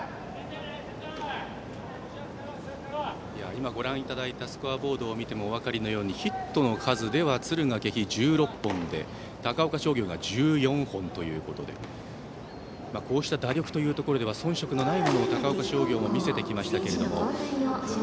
今ご覧いただいたスコアボードを見てもお分かりのようにヒットの数では敦賀気比１６本で高岡商業が１４本ということで打力では遜色のないところを高岡商業も見せてきましたけども。